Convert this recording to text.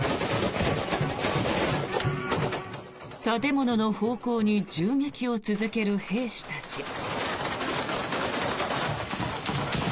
建物の方向に銃撃を続ける兵士たち。